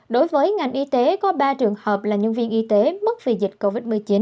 đối với ngành y tế có ba trường hợp là nhân viên y tế mất vì dịch covid một mươi chín